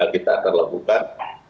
kita akan lakukan